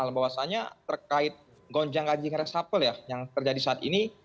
pertama bahwasannya terkait gonjang gaji resapel yang terjadi saat ini